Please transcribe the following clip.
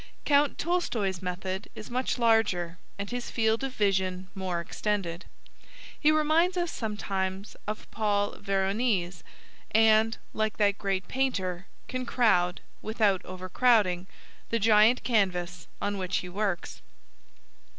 Count Tolstoi's method is much larger, and his field of vision more extended. He reminds us sometimes of Paul Veronese, and, like that great painter, can crowd, without over crowding, the giant canvas on which he works.